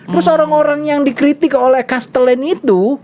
terus orang orang yang dikritik oleh castellane itu